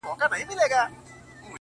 چي ته به يې په کومو صحفو’ قتل روا کي’